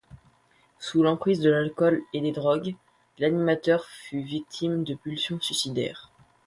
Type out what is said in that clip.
Sous l'emprise de l'alcool et des drogues, l'animateur fut victime de pulsions suicidaires.